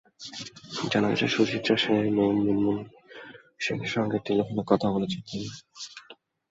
জানা গেছে, সুচিত্রা সেনের মেয়ে মুনমুন সেনের সঙ্গে টেলিফোনে কথা বলেছেন তিনি।